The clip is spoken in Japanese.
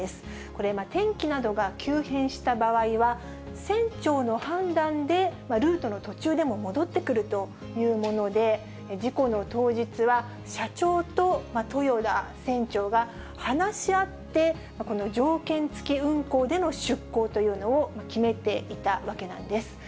これ、天気などが急変した場合は、船長の判断で、ルートの途中でも戻ってくるというもので、事故の当日は、社長と豊田船長が話し合って、この条件付き運航での出航というのを決めていたわけなんです。